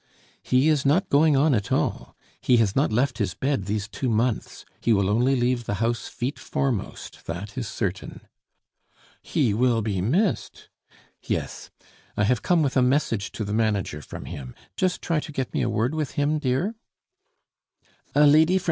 "He is not going on at all; he has not left his bed these two months. He will only leave the house feet foremost, that is certain." "He will be missed." "Yes. I have come with a message to the manager from him. Just try to get me a word with him, dear." "A lady from M.